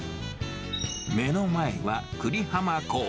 目の前は久里浜港。